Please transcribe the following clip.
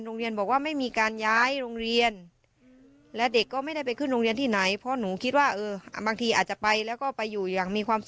ลองฟังคุณน้ำฝนเล่าหน่อยค่ะ